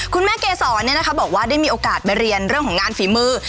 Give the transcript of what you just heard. คุณแม่เกษฐรเนี่ยนะคะบอกว่าได้มีโอกาสไปเรียนเรื่องของงานฝีมือ